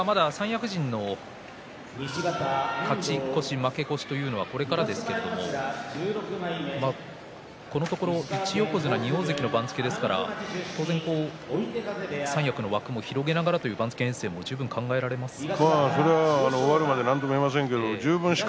まだ三役陣の勝ち越し負け越しというのはこれからですけれどもこのところ１横綱２大関の番付ですから当然三役の枠を広げながらという番付編成も考えられますか。